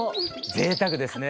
ぜいたくですね。